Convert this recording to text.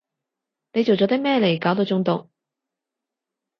你做咗啲咩嚟搞到中毒？